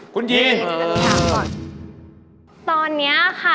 กลับไปก่อนเลยนะครับ